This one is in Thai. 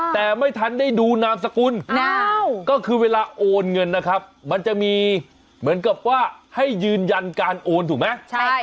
แต่ไม่ทันได้ดูนามสกุลก็คือเวลาโอนเงินนะครับมันจะมีเหมือนกับว่าให้ยืนยันการโอนถูกไหม